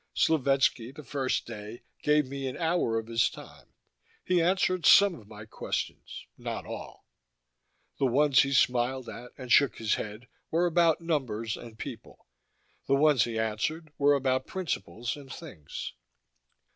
Slovetski, that first day, gave me an hour of his time. He answered some of my questions not all. The ones he smiled at, and shook his head, were about numbers and people. The ones he answered were about principles and things.